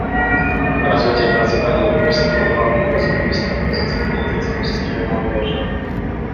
Развитие и процветание любой страны главным образом зависит от позитивной деятельности ее молодежи.